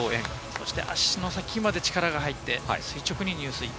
足の先まで力が入って、垂直に入水。